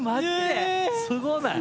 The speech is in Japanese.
すごない？